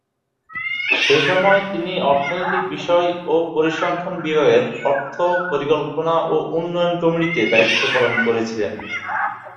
সেসময় তিনি অর্থনৈতিক বিষয় ও পরিসংখ্যান বিভাগের অর্থ, পরিকল্পনা ও উন্নয়ন কমিটিতে দায়িত্ব পালন করেছিলেন।